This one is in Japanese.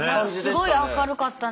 すごい明るかったな。